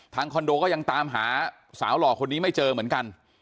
คอนโดก็ยังตามหาสาวหล่อคนนี้ไม่เจอเหมือนกัน